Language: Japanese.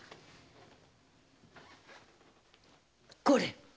これ！